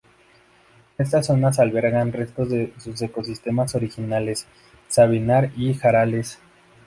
Estas zonas albergan restos de sus ecosistemas originales: sabinar y jarales.